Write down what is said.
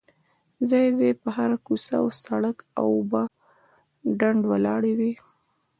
ځای ځای په هره کوڅه او سړ ک اوبه ډنډ ولاړې وې.